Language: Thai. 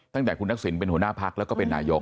ตั้งแต่คุณทักษิณเป็นหัวหน้าพักแล้วก็เป็นนายก